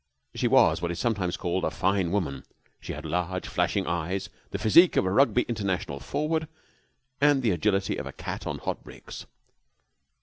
She was what is sometimes called a fine woman. She had large, flashing eyes, the physique of a Rugby International forward, and the agility of a cat on hot bricks.